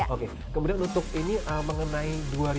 oke kemudian untuk ini mengenai dua ribu dua puluh